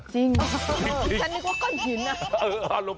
จริงนะจริง